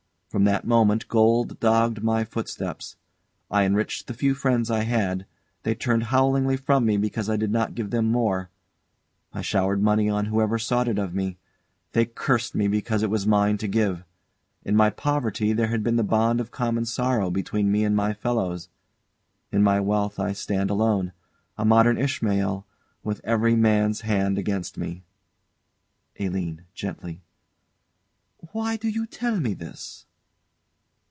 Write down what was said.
From that moment gold dogged my footsteps. I enriched the few friends I had they turned howlingly from me because I did not give them more. I showered money on whoever sought it of me they cursed me because it was mine to give. In my poverty there had been the bond of common sorrow between me and my fellows: in my wealth I stand alone, a modern Ishmael, with every man's hand against me. ALINE. [Gently.] Why do you tell me this?